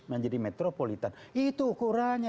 menjadi metropolitan itu ukurannya